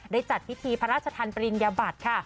ได้จัดพิธีพระราชธรรมปริญญาบัติค่ะ